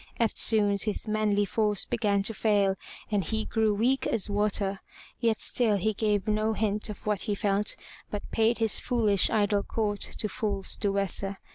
Eftsoons his manly force began to fail and he grew weak as water. Yet still he gave no hint of what he felt but paid his foolish idle court to false Duessa.